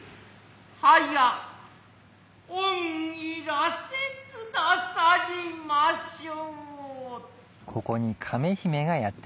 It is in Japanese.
早や御入らせ下さりましょう。